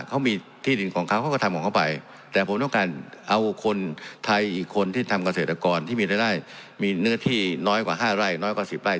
เขามีที่ดินของเขาเขาก็ทำของเขาไปแต่ผมต้องการเอาคนไทยอีกคนที่ทำเกษตรกรที่มีรายได้มีเนื้อที่น้อยกว่า๕ไร่น้อยกว่าสิบไร่